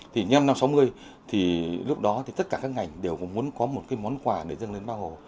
thì nhân năm sáu mươi thì lúc đó thì tất cả các ngành đều cũng muốn có một cái món quà để dâng lên bao hồ